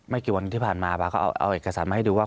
กี่วันที่ผ่านมาป๊าก็เอาเอกสารมาให้ดูว่า